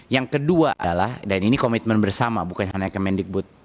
yang kedua adalah dan ini komitmen bersama bukan hanya kemendikbud